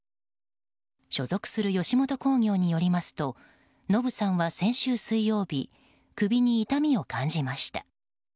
所属する吉本興業によりますとノブさんは先週水曜日首に痛みを感じました。